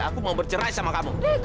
aku mau bercerai sama kamu